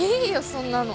そんなの。